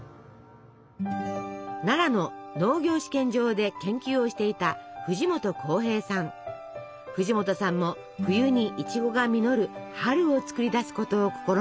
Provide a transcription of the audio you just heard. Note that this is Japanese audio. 奈良の農業試験場で研究をしていた藤本さんも冬にいちごが実る「春」を作り出すことを試みます。